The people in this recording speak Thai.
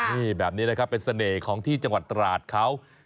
นี่แบบนี้นะครับเป็นเสน่ห์ของที่จังหวัดตราดเขา